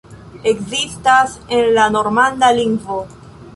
Ekzistas en la normanda lingvo.